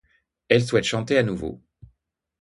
Elle souhaite chanter à nouveau.